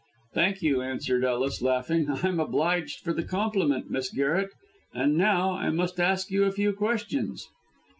"Thank you," answered Ellis, laughing. "I am obliged for the compliment, Miss Garret. And now I must ask you a few questions."